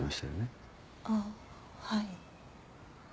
あっはい。